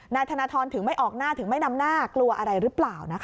นายธนทรถึงไม่ออกหน้าถึงไม่นำหน้ากลัวอะไรหรือเปล่า